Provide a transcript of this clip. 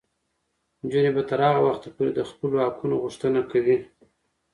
نجونې به تر هغه وخته پورې د خپلو حقونو غوښتنه کوي.